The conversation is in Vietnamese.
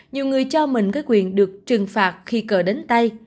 nhiều người cho mình cái quyền được trừng phạt khi cờ đến tay